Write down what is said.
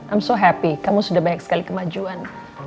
i'm so happy kamu sudah banyak sekali kemajuan